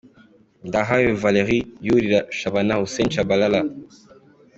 Ndahayo Valerie yurira Shabana Hussein Tchabalala.